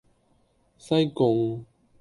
西貢